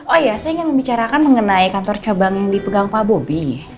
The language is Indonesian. oh iya saya ingin membicarakan mengenai kantor cabang yang dipegang pak bobi